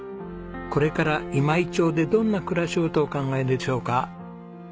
これから今井町でどんな暮らしをとお考えでしょうか？